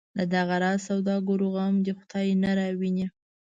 د دغه راز سوداګرو غم دی خدای نه راوویني.